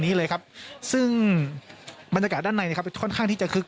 นี้เลยครับซึ่งบรรยากาศด้านในนะครับค่อนข้างที่จะคึก